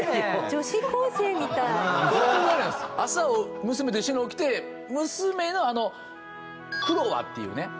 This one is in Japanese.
朝娘と一緒に起きて娘のあのクロワっていうね。